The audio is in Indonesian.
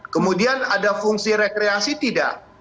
kemudian ada fungsi rekreasi tidak